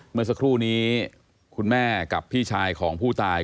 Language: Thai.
เมื่อสักครู่นี้คุณแม่กับพี่ชายของผู้ตาย